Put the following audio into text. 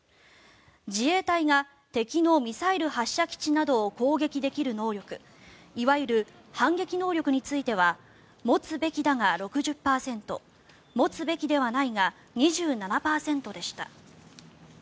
自衛隊が敵のミサイル発射基地などを攻撃できる能力いわゆる反撃能力については持つべきだが６０％持つべきではないが２７％でした。